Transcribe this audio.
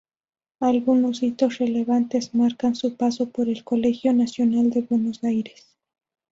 Algunos hitos relevantes marcan su paso por el Colegio Nacional de Buenos Aires.